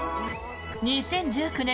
２０１９年